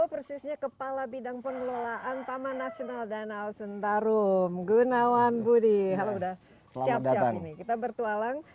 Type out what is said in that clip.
persisnya kepala bidang pengelolaan taman nasional danau sentarum gunawan budi hal udah selamat datang